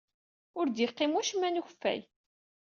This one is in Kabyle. Ur d-yeqqim wacemma n ukeffay.